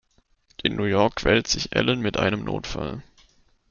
In New York quält sich Ellen mit einem Notfall.